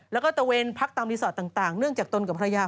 แล้วก็ตะเวนพักตามรีสอร์ทต่างเนื่องจากตนกับภรรยา